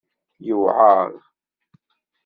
Yuɛeṛ.